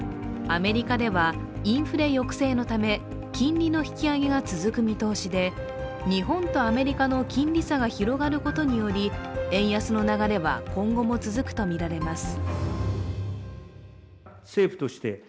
アメリカでは、インフレ抑制のため金利の引き上げが続く見通しで日本とアメリカの金利差が広がることにより円安の流れは今後も続くとみられます。